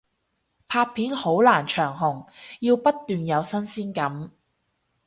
拍片好難長紅，要不斷有新鮮感